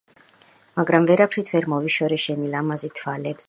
მაგრამ ვერაფრით ვერ მოვიშორე შენი ლამაზი თვაბლებზე.